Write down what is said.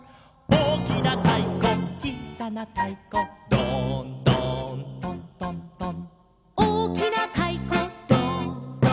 「おおきなたいこちいさなたいこ」「ドーンドーントントントン」